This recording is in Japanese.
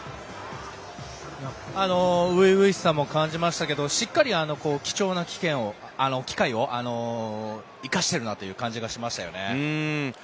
初々しさも感じましたけどしっかり貴重な機会を生かしてるなという感じがしましたよね。